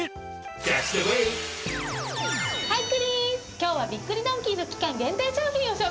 今日はびっくりドンキーの期間限定商品を紹介するわよ。